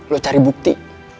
lu cari bukti